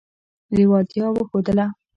لېوالتیا وښودله.